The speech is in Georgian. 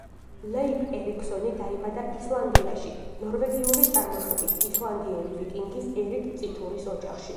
ლეიფ ერიქსონი დაიბადა ისლანდიაში, ნორვეგიული წარმოშობის ისლანდიელი ვიკინგის ერიკ წითურის ოჯახში.